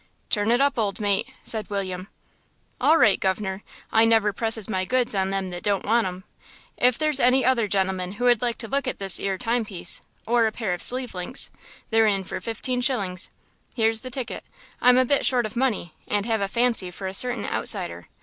"Turn it up, old mate," said William. "All right, guv'nor, I never presses my goods on them that don't want 'em. If there's any other gentleman who would like to look at this 'ere timepiece, or a pair of sleeve links, they're in for fifteen shillings. Here's the ticket. I'm a bit short of money, and have a fancy for a certain outsider.